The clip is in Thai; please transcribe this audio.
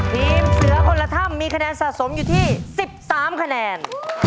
ทีมเสือคนละถ้ำมีคะแนนสะสมอยู่ที่๑๓คะแนน